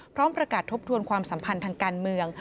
พร้อมประกาศทบทวนความสัมพันธ์ทางการเมือง